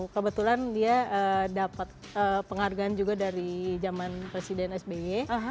kebetulan dia dapat penghargaan juga dari zaman presiden sby